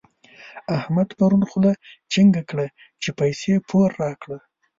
احمد پرون خوله چينګه کړه چې پيسې پور راکړه.